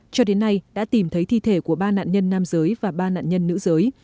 cho đến nay đã tìm thấy thi thể của ba nạn nhân nam giới và ba nạn nhân nữ giới